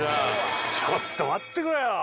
ちょっと待ってくれよ。